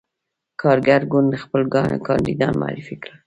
کارګر ګوند خپل کاندیدان معرفي کړل.